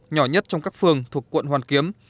nhỏ nhất trong các phường thuộc quận hoàn kiếm